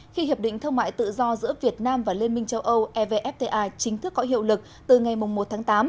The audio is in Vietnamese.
khi hiệp định thương mại tự do giữa việt nam và liên minh châu âu evfta chính thức có hiệu lực từ ngày một tháng tám